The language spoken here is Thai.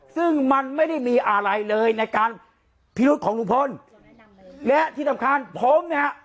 ซึ่งมันไม่ได้มีอะไรเลยในการพิรุษของลุงพลและที่สำคัญผมเนี่ย